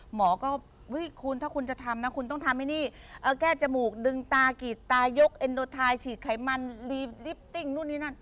หมอก็คุณถ้าคุณจะทำนะคุณต้องทำไอ้นี่แก้จมูกดึงตากรีดตายกเอ็นโดไทฉีดไขมันลีลิปติ้งนู่นนี่นั่น